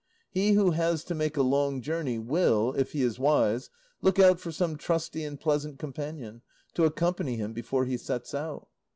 He who has to make a long journey, will, if he is wise, look out for some trusty and pleasant companion to accompany him before he sets out.